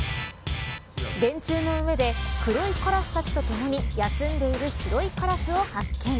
電柱の上で黒いカラスたちとともに休んでいる白いカラスを発見。